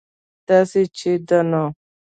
داسې چې ده نو